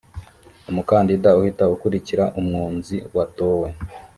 umukandida uhita ukurikira umwunzi watowe